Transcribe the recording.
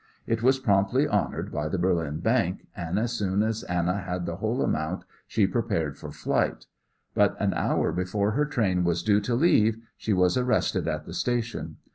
It was promptly honoured by the Berlin bank, and as soon as Anna had the whole amount she prepared for flight. But an hour before her train was due to leave she was arrested at the station.